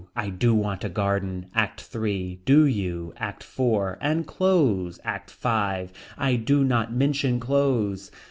I do want a garden. ACT III. Do you. ACT IV. And clothes. ACT V. I do not mention clothes.